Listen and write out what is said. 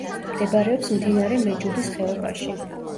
მდებარეობს მდინარე მეჯუდის ხეობაში.